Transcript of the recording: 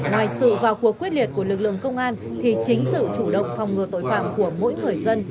ngoài sự vào cuộc quyết liệt của lực lượng công an thì chính sự chủ động phòng ngừa tội phạm của mỗi người dân